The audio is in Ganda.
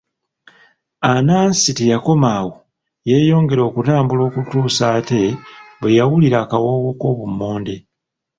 Anansi teyakoma awo, yeeyongera okutambula okutuusa ate bwe yawulira akawoowo k'obummonde.